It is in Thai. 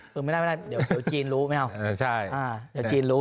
คือไม่ได้ไม่ได้เดี๋ยวจีนรู้ไม่เอาเดี๋ยวจีนรู้